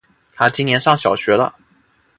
他今年上小学了